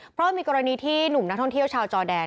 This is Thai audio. เพราะมันมีกรณีที่หนุ่มนักท่องเที่ยวชาวจอแดน